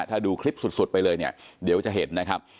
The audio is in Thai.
ถ้าดูคลิปสุดไปเลยเนี่ยเดี๋ยวจะเห็นนะครับ